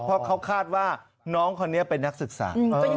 เพราะเขาคาดว่าน้องคนนี้เป็นนักศึกษา